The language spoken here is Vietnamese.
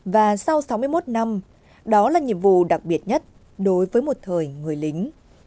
và sau sáu mươi một năm đó là nhiệm vụ đặc biệt nhất đối với một thời người lính